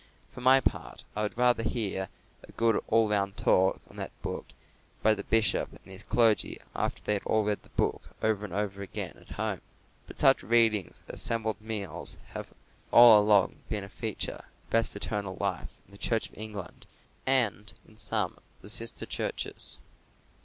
For my part, I would rather hear a good all round talk on that book by the bishop and his clergy after they had all read the book over and over again at home. But such readings at assembled meals have all along been a feature of the best fraternal life in the Church of England and in some of the sister churches.